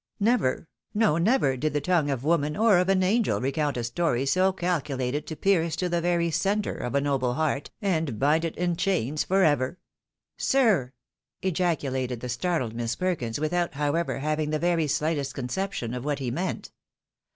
Never, no never, did the tongue of woman or of angel recount a story so calculated to pierce to thg very centre of a noble heart, and bind it in chains for ever !"" Sir !" ejaculated the startled Miss Perkins, without, how ever, having the very slightest conception of what he meant.